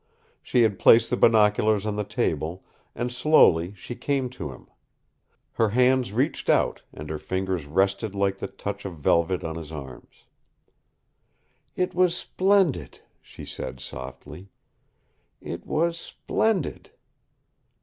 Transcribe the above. She had placed the binoculars on the table, and slowly she came to him. Her hands reached out, and her fingers rested like the touch of velvet on his arms. "It was splendid!" she said softly, "It was splendid!"